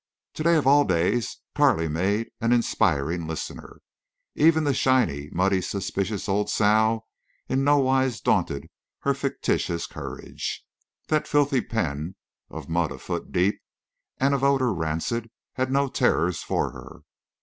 Today of all days Carley made an inspiring listener. Even the shiny, muddy, suspicious old sow in no wise daunted her fictitious courage. That filthy pen of mud a foot deep, and of odor rancid, had no terrors for her.